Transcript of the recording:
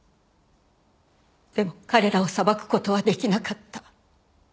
でも彼らを裁く事は出来なかった。